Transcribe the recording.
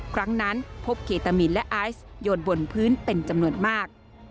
ครั้งนั้นพบเคตามีนและไอซ์โยนบนพื้นเป็นจำนวนมาก